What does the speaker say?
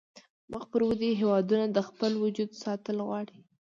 مخ پر ودې هیوادونه د خپل وجود ساتل غواړي